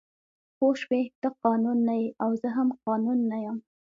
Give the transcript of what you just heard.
پوه شوې ته قانون نه یې او زه هم قانون نه یم